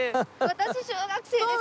私小学生です！